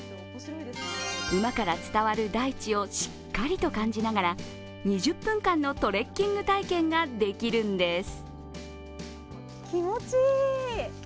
馬から伝わる大地をしっかりと感じながら２０分間のトレッキング体験ができるんです。